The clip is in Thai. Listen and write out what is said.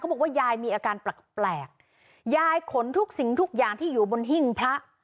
บอกว่ายายมีอาการแปลกแปลกยายขนทุกสิ่งทุกอย่างที่อยู่บนหิ้งพระ